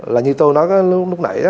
là như tôi nói lúc nãy